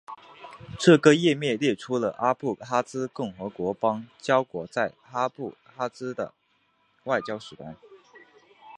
这个页面列出了阿布哈兹共和国邦交国在阿布哈兹的外交使团。